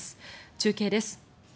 中継です。